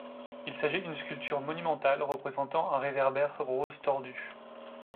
Il s'agit d'une sculpture monumentale représentant un réverbère rose tordu.